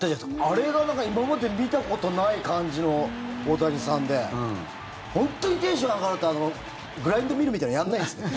あれが今まで見たことない感じの大谷さんで本当にテンション上がるとグラインダーミルみたいなのやらないんですね。